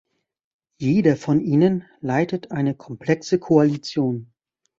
Jeder von ihnen leitet eine komplexe Koalition.